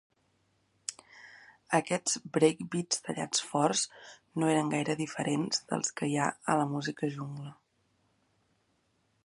Aquests breakbeats tallats forts no eren gaire diferents dels que hi ha a la música jungla.